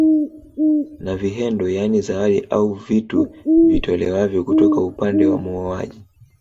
Na vihendo yaani zawadi au vitu vitolewavyo kutoka upande wa muoaji